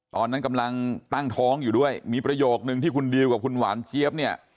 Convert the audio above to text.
ตอนนั้นกำลังตั้งท้องอยู่ด้วยมีประโยคนึงที่คุณดิวกับคุณหวานเจี๊ยบเนี่ย